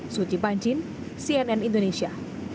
suci banjin cnn indonesia